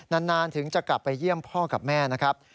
นานถึงจะกลับไปเยี่ยมพ่อกับแม่นะครับ